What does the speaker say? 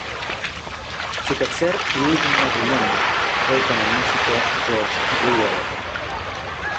Su tercer y último matrimonio fue con el músico George Greeley.